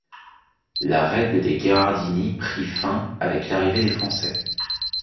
La règle des Gherardini pris fin avec l'arrivée des Français.